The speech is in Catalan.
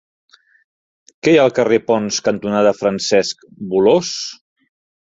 Què hi ha al carrer Ponts cantonada Francesc Bolòs?